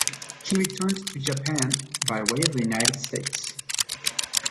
He returned to Japan by way of the United States.